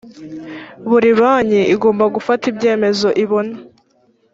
buri banki igomba gufata ibyemezo ibona